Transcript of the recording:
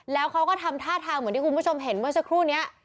แล้วเขาก็ทำท่าทางเหมือนที่คุณผู้ชมเห็นเมื่อสักครู่นี้